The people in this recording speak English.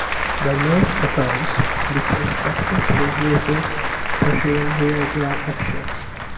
By most accounts, this was a successful Russo-Prussian rear guard action.